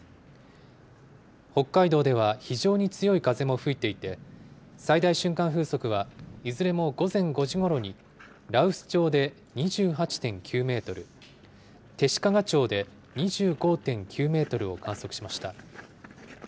北海道では非常に強い風も吹いていて、最大瞬間風速はいずれも午前５時ごろに、羅臼町で２８．９メートル、弟子屈町で２５．９メートルを観測しました。